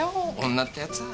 女ってやつは。